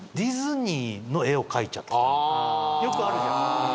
よくあるじゃん。